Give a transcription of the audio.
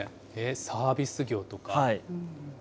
サービス業とか？